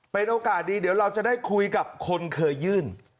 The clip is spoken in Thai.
เป็นโอกาสดีเดี๋ยวเราจะได้คุยกับคนเคยยื่น